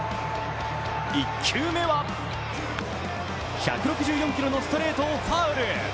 １球目は、１６４キロのストレートをファウル。